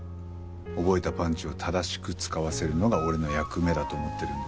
覚えたパンチを正しく使わせるのが俺の役目だと思ってるんで。